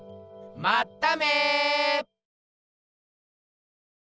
まっため！